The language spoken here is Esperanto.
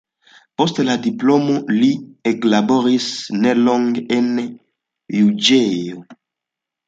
Post la diplomo li eklaboris nelonge en juĝejo.